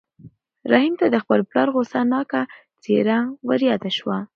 رحیم ته د خپل پلار غوسه ناکه څېره وریاده شوه.